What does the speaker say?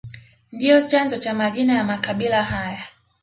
Ndio chanzo cha majina ya makabila haya